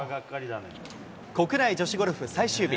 国内女子ゴルフ最終日。